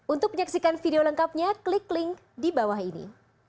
untuk menyaksikan video lengkapnya klik link di bawah ini